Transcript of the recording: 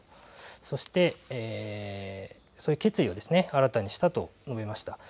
そして、そういう決意を新たにしたと述べました。